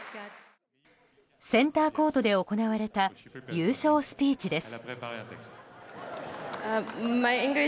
センターコートで行われた優勝スピーチです。